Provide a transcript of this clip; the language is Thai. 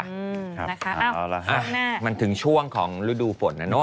อ้าวมันถึงช่วงของฤดูฝนนั้นเนอะ